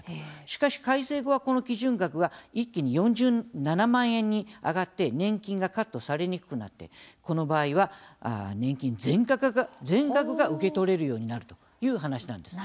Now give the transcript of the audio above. しかし改正後はこの基準額が一気に４７万円に上がって年金がカットされにくくなってこの場合は、年金全額が受け取れるようになるという話なんです。